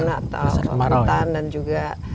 atau kehemutan dan juga